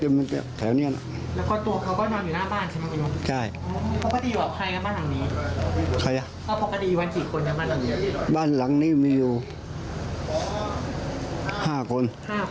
แต่ไม่มีใครอยู่เลยตอนเกิดเห็น